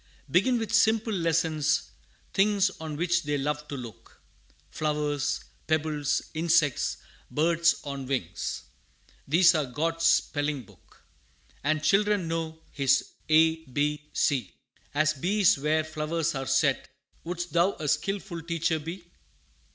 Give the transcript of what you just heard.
Begin with simple lessons things On which they love to look: Flowers, pebbles, insects, birds on wings These are God's spelling book. And children know His A, B, C, As bees where flowers are set: Would'st thou a skilful teacher be?